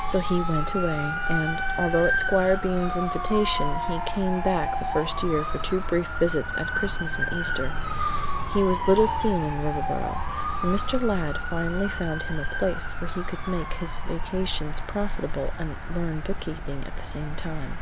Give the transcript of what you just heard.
So he went away, and, although at Squire Bean's invitation he came back the first year for two brief visits at Christmas and Easter, he was little seen in Riverboro, for Mr. Ladd finally found him a place where he could make his vacations profitable and learn bookkeeping at the same time.